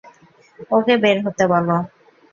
ওকে বের হতে বলো।